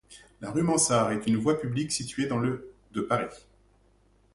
La rue Mansart est une voie publique située dans le de Paris.